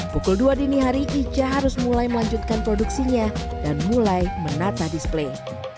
pukul dua dini hari ica harus mulai melanjutkan produksinya dan mulai menata display